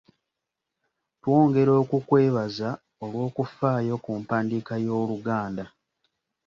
Twongera okukwebaza olw'okufaayo ku mpandiika y'Oluganda.